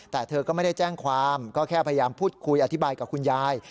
แต่เธอก็ไม่ได้แจ้งความก็แค่พยายามพูดคุยอธิบายกับคุณยาย